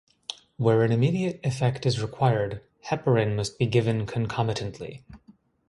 Where an immediate effect is required, heparin must be given concomitantly.